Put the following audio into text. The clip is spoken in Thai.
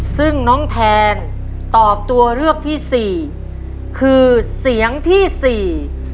ซึ่งน้องแทนตอบตัวเลือกที่สี่คือเสียงที่สี่